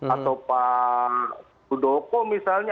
atau pak sudoko misalnya